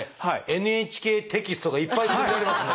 「ＮＨＫテキスト」がいっぱい積んでありますね。